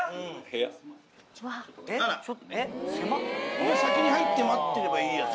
これ先に入って待ってればいいやつ？